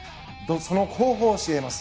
その方法を教えます。